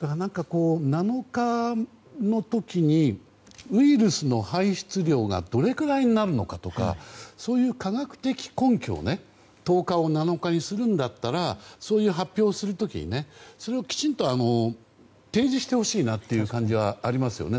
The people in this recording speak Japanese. ７日の時にウイルスの排出量がどれくらいになるのかとかそういう科学的根拠を１０日を７日にするんだったらそういう発表をする時にそれをきちんと提示してほしいなという感じはありますよね。